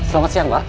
selamat siang pak